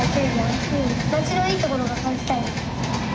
まちのいいところがかきたいの。